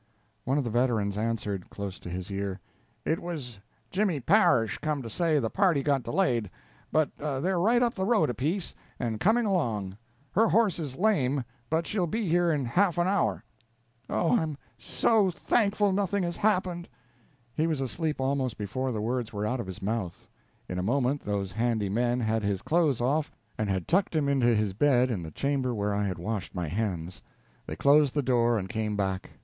One of the veterans answered, close to his ear: "It was Jimmy Parish come to say the party got delayed, but they're right up the road a piece, and coming along. Her horse is lame, but she'll be here in half an hour." "Oh, I'm_ so_ thankful nothing has happened!" He was asleep almost before the words were out of his mouth. In a moment those handy men had his clothes off, and had tucked him into his bed in the chamber where I had washed my hands. They closed the door and came back.